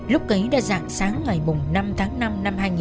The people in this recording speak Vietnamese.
lúc ấy đã dạng sáng ngày năm tháng năm năm hai nghìn một mươi ba